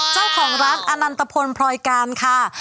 เจ้าของร้านอนันตพลพรอยการค่ะ